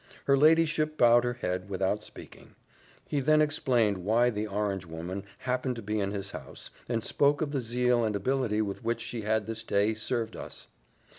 Her ladyship bowed her head without speaking. He then explained why the orange woman happened to be in his house, and spoke of the zeal and ability with which she had this day served us.